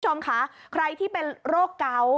คุณผู้ชมคะใครที่เป็นโรคเกา